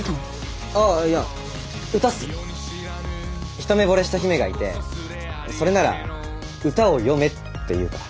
一目惚れした姫がいてそれなら歌を詠めって言うから。